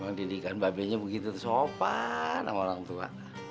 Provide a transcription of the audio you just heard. memang didikan be nya begitu sopan sama orang tua